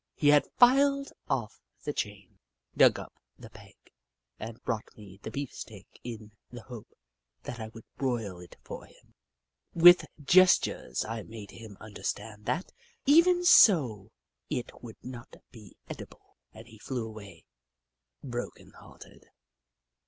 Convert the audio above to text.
He had filed off the chain, dug up the peg, and brought me the beef stake in the hope that I would broil it for him. With gestures I made him under stand that, even so, it would not be edible, and he flew away, broken hearted.